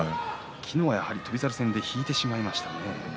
昨日は翔猿戦で引いてしまいましたね。